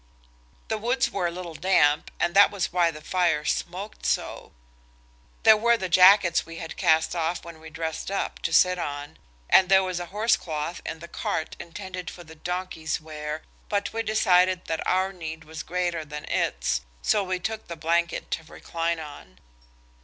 The woods were a little damp, and that was why the fire smoked so. There were the jackets we had cast off when we dressed up, to sit on, and there was a horse cloth in the cart intended for the donkey's wear, but we decided that our need was greater than its, so we took the blanket to recline on.